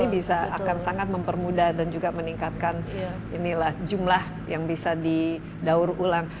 ini bisa akan sangat mempermudah dan juga meningkatkan jumlah yang bisa didaur ulang